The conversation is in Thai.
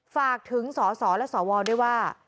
ฝากถึงสสและสวด้วยว่า